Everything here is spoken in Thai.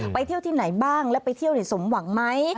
เที่ยวที่ไหนบ้างและไปเที่ยวสมหวังไหม